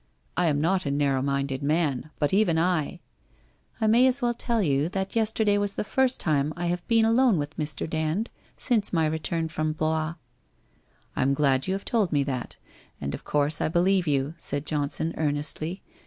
... I am not a nar row minded man, but even I '' I may as well tell you that yesterday was the first time I have been alone with Mr. Dand since my return from Blois/ ' I am glad you have told me that, and of course I be lieve you,' said Johnson earnestly.